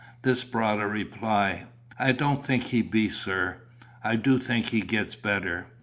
This brought a reply. "I don't think he be, sir. I do think he gets better.